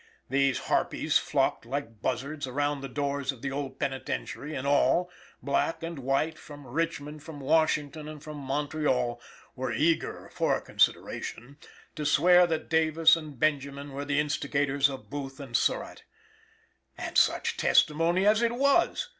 These harpies flocked, like buzzards, around the doors of the old Penitentiary, and all black and white, from Richmond, from Washington and from Montreal were eager, for a consideration, to swear that Davis and Benjamin were the instigators of Booth and Surratt. And such testimony as it was!